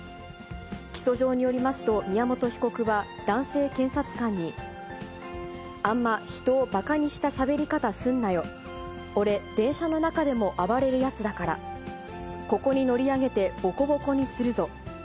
起訴状によりますと、宮本被告は、男性検察官に、あんま人をばかにしたしゃべり方すんなよ、俺、電車の中でも暴れるやつだから、ここに乗り上げてぼこぼこにするぞ。